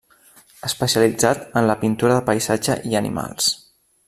Especialitzat en la pintura de paisatge i animals.